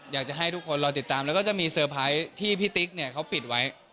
อยากจะให้ทุกคนรอติดตามแล้วก็จะมีเซอร์ไพรส์ที่พี่ติ๊กเนี่ยเขาปิดไว้